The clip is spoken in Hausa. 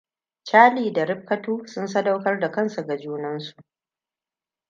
Cherlie da Rifkatu sun sadaukar da kansu ga junansu.